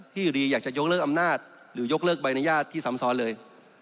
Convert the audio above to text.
อยู่ดีอยากจะยกเลิกอำนาจหรือยกเลิกใบอนุญาตที่ซ้ำซ้อนเลย